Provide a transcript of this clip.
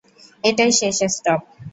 এটাই শেষ স্টপ।